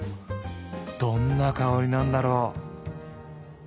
どんな香りなんだろう？